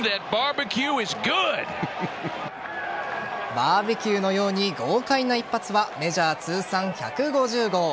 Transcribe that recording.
バーベキューのように豪快な一発はメジャー通算１５０号。